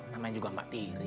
namanya juga emak tiri